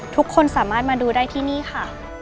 ทุกคนสามารถมาดูได้ที่นี่ค่ะ